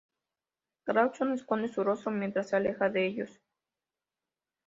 Clarkson esconde su rostro mientras se aleja de ellos.